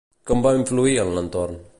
Com va influir en l'entorn?